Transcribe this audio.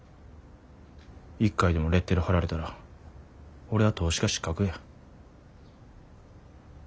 一回でもレッテル貼られたら俺は投資家失格や。